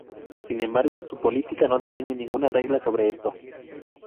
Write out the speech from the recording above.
Sin embargo su política no define ninguna regla sobre esto.